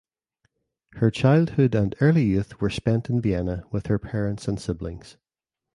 Her childhood and early youth were spent in Vienna with her parents and siblings.